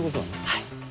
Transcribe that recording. はい！